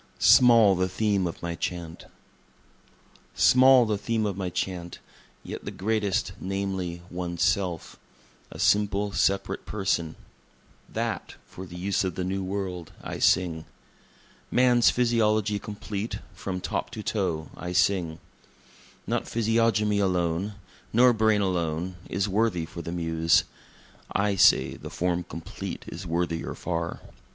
Small the Theme of My Chant Small the theme of my Chant, yet the greatest namely, One's Self a simple, separate person. That, for the use of the New World, I sing. Man's physiology complete, from top to toe, I sing. Not physiognomy alone, nor brain alone, is worthy for the Muse; I say the Form complete is worthier far.